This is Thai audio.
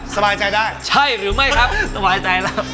สบายใจได้